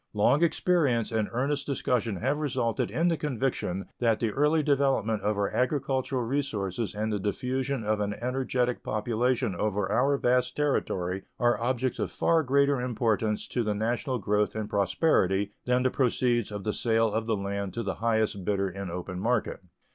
Long experience and earnest discussion have resulted in the conviction that the early development of our agricultural resources and the diffusion of an energetic population over our vast territory are objects of far greater importance to the national growth and prosperity than the proceeds of the sale of the land to the highest bidder in open market.